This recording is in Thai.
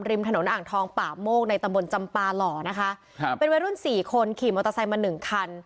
ริมถนนอ่างทองป่าโมกในตำบลจำปาหล่อนะคะครับเป็นวัยรุ่นสี่คนขี่มอเตอร์ไซค์มาหนึ่งคัน